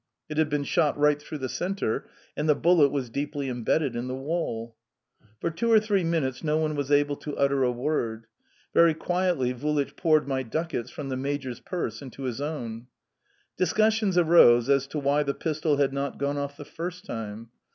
It had been shot right through the centre, and the bullet was deeply embedded in the wall. For two or three minutes no one was able to utter a word. Very quietly Vulich poured my ducats from the major's purse into his own. Discussions arose as to why the pistol had not gone off the first time.